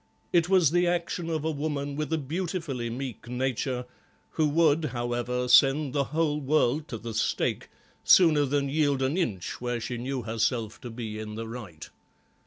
It was the action of a woman with a beautifully meek nature, who would, however, send the whole world to the stake sooner than yield an inch where she knew herself to be in the right.